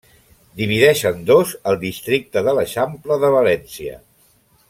Divideix en dos el districte de l'Eixample de València.